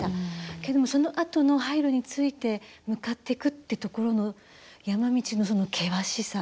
けれどもそのあとの廃炉について向かっていくってところの山道の険しさ。